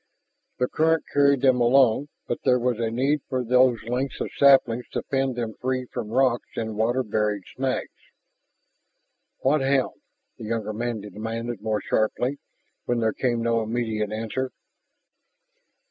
The current carried them along, but there was a need for those lengths of sapling to fend them free from rocks and water buried snags. "What hound?" the younger man demanded more sharply when there came no immediate answer.